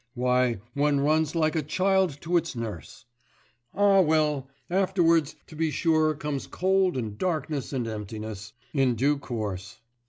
Why, one runs like a child to its nurse. Ah, well, afterwards to be sure comes cold and darkness and emptiness ... in due course.